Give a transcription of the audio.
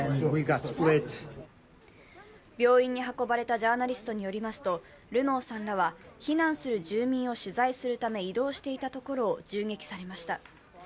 病院に運ばれたジャーナリストによりますとルノーさんらは避難する住民を取材するため移動していたところを銃撃されました。